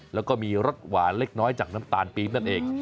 แล้วก็มีรสหวานเล็กน้อยจากน้ำตาลปี๊บนั่นเอง